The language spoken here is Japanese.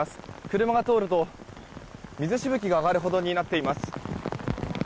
車が通ると、水しぶきが上がるほどになっています。